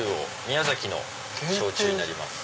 宮崎の焼酎になります。